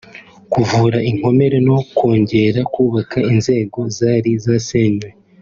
kuvura inkomere no kongera kubaka inzego zari zasenywe